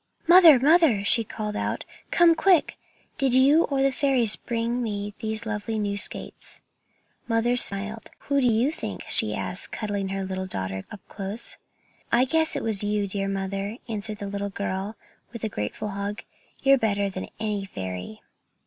"Mother, mother!" she called out, "come quick! Did you or the fairies bring me these lovely new skates?" Mother smiled. "Who do you think?" she asked, cuddling her little daughter up close. "I guess it was you, dear mother," answered the little girl, with a grateful hug; "you're better than any fairy."